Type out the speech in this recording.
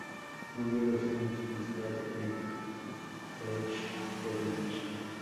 Murió dos años más tarde en Echternach.